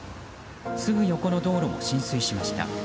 すぐ横の道路も浸水しました。